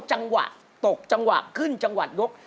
จังหวะตกจังหวะขึ้นจังหวะยก